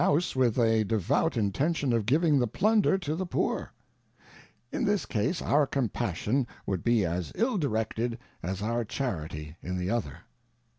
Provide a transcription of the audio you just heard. House with a devout intention of giving the plunder to the~ Poor ; in this case, our Compassion would be as ill directed, as~ our Charity in the other.